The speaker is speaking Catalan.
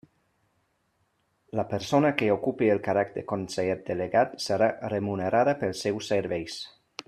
La persona que ocupi el càrrec de conseller delegat serà remunerada pels seus serveis.